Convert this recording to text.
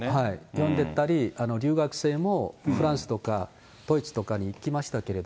呼んでたり、留学生もフランスとかドイツとかに行きましたけ